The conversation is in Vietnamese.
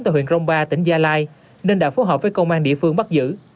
từ huyện rong ba tỉnh gia lai nên đã phối hợp với công an địa phương bắt giữ